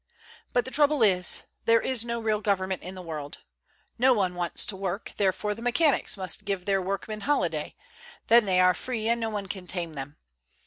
But the trouble is, there is no real government in the world. No one wants to work, therefore the mechanics must give their workmen holiday: then they are free and no one can tame them.